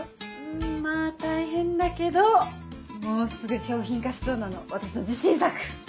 んまぁ大変だけどもうすぐ商品化しそうなの私の自信作！